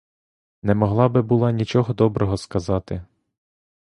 Не могла би була нічого доброго сказати.